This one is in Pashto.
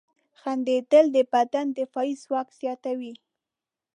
• خندېدل د بدن دفاعي ځواک زیاتوي.